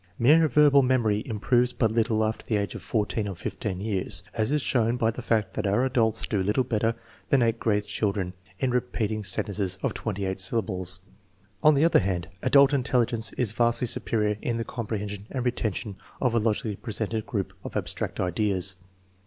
Mere verbal memory improves but little after the age of 14 or 15 years, as is shown by the fact that OUT adults do little better than eighth grade children in repeating sentences of twenty eight sylla bles. On the other hand, adult intelligence is vastly su perior in the comprehension and retention of a logically presented group of abstract ideas.